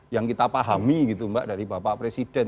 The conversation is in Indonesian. yang kita pahami gitu mbak dari bapak presiden